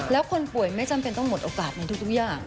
แล้วคนป่วยไม่จำเป็นต้องหมดโอกาสในทุกอย่าง